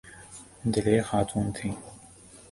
دلیر خاتون تھیں۔